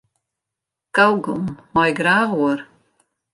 Kaugom mei ik graach oer.